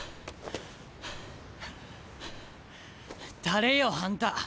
誰よあんた。